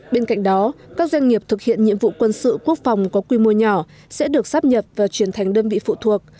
bên cạnh đó các doanh nghiệp thực hiện nhiệm vụ quân sự quốc phòng có quy mô nhỏ sẽ được sắp nhập và chuyển thành đơn vị phụ thuộc